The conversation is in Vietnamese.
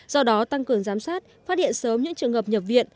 do đó tăng cường giám sát phát hiện sớm những trường hợp nhập viện